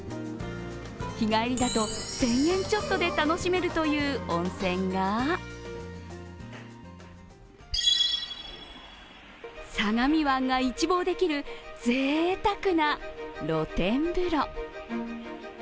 日帰りだと１０００円ちょっとで楽しめるという温泉が相模湾が一望できるぜいたくな露天風呂。